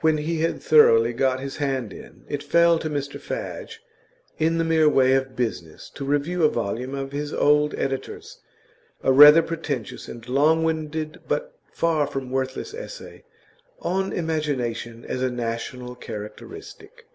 When he had thoroughly got his hand in, it fell to Mr Fadge, in the mere way of business, to review a volume of his old editor's, a rather pretentious and longwinded but far from worthless essay 'On Imagination as a National Characteristic.